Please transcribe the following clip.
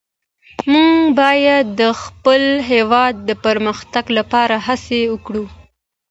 موږ باید د خپل هېواد د پرمختګ لپاره هڅې وکړو.